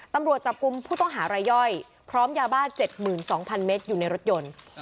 ตำรวจจับกุมผู้ต้องหารายย่อยพร้อมยาบ้า๗๒๐๐เมตรอยู่ในรถยนต์